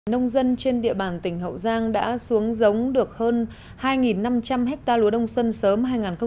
nông dân trên địa bàn tỉnh hậu giang đã xuống giống được hơn hai năm trăm linh ha lúa đông xuân sớm hai nghìn một mươi sáu hai nghìn một mươi bảy